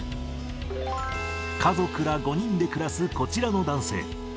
家族ら５人で暮らすこちらの男性。